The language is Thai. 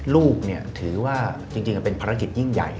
ลูกถือว่าจริงเป็นภารกิจยิ่งใหญ่